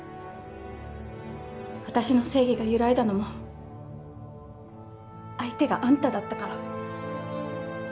私の正義が揺らいだのも相手があんただったから。